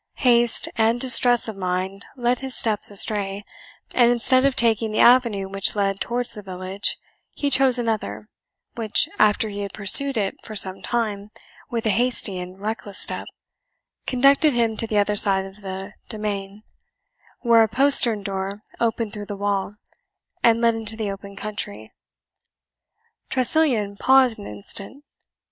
Haste and distress of mind led his steps astray, and instead of taking the avenue which led towards the village, he chose another, which, after he had pursued it for some time with a hasty and reckless step, conducted him to the other side of the demesne, where a postern door opened through the wall, and led into the open country. Tressilian paused an instant.